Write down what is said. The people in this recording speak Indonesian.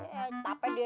ya enggak pede